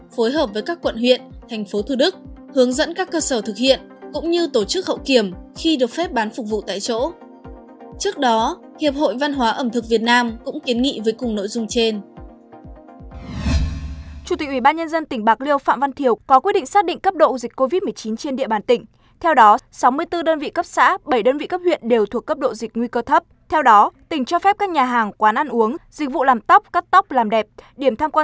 phối hợp với các quận huyện thành phố thu đức hướng dẫn các cơ sở thực hiện cũng như tổ chức hậu kiểm khi được phép bán phục vụ tại chỗ